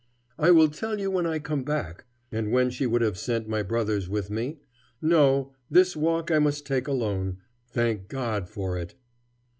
"I will tell you when I come back;" and when she would have sent my brothers with me: "No! this walk I must take alone. Thank God for it."